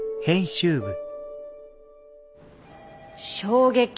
「衝撃！